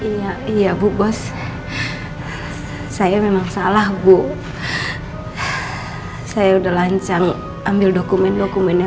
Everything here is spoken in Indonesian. iya iya bu bos saya memang salah bu saya udah lancang ambil dokumen dokumennya